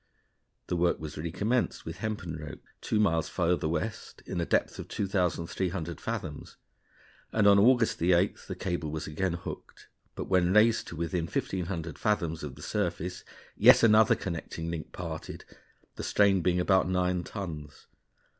The work was recommenced with hempen ropes, two miles farther west, in a depth of 2,300 fathoms, and on August 8th the cable was again hooked; but when raised to within 1,500 fathoms of the surface, yet another connecting link parted, the strain being about nine tons.